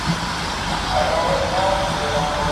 克伦威尔的头颅被挑在长矛上四处游街。